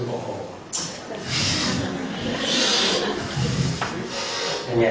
โอ้โห